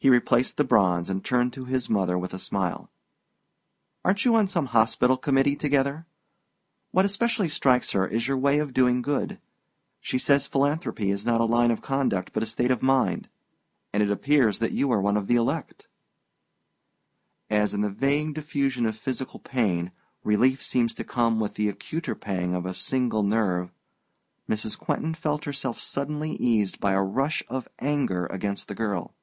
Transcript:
He replaced the bronze and turned to his mother with a smile. "Aren't you on some hospital committee together? What especially strikes her is your way of doing good. She says philanthropy is not a line of conduct, but a state of mind and it appears that you are one of the elect." As, in the vague diffusion of physical pain, relief seems to come with the acuter pang of a single nerve, Mrs. Quentin felt herself suddenly eased by a rush of anger against the girl.